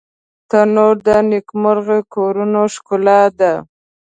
تنور د نیکمرغه کورونو ښکلا ده